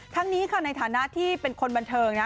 ทั้งนี้ค่ะในฐานะที่เป็นคนบันเทิงนะ